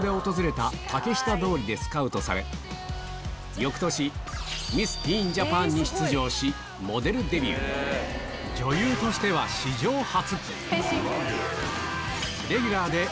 翌年ミス・ティーン・ジャパンに出場しモデルデビュー女優としては史上初！